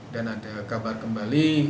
dan ada kabar kembali